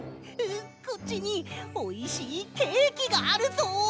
こっちにおいしいケーキがあるぞ。